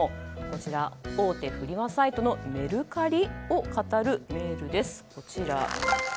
大手フリマサイトのメルカリをかたるメールです。